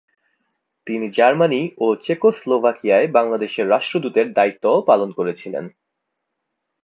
তিনি জার্মানি ও চেকোস্লোভাকিয়ায় বাংলাদেশের রাষ্ট্রদূতের দায়িত্বও পালন করেছিলেন।